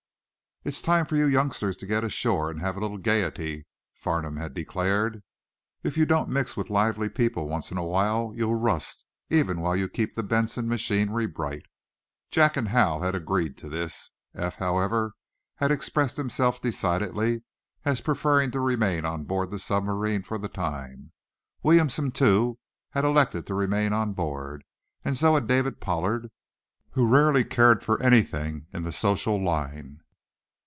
"It's time for you youngsters to get ashore and have a little gaiety," Farnum had declared. "If you don't mix with lively people once in a while, you'll rust even while you keep the 'Benson's' machinery bright." Jack and Hal had agreed to this. Eph, however, had expressed himself decidedly as preferring to remain on board the submarine for the time. Williamson, too, had elected to remain on board, and so had David Pollard, who rarely cared for anything in the social line.